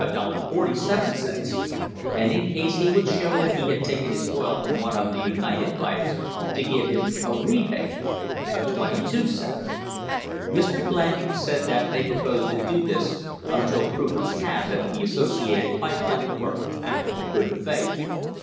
47, and in case he could show that he had taken his oil from one of the United Pipes to give him a rebate of twenty two cents. Mr. Blanchard said that they proposed to do this until proof was had that the associ ated pipe lines were acting in good faith.